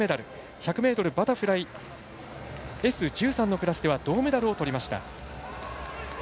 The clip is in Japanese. １００ｍバタフライＳ１３のクラスでは銅メダルを取りました。